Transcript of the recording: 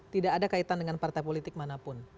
tidak ada kaitan dengan partai politik manapun